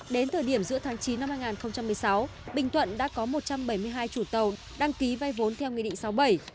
đến thời điểm giữa tháng chín năm hai nghìn một mươi sáu bình thuận đã có một trăm bảy mươi hai chủ tàu đăng ký vay vốn theo nghị định sáu mươi bảy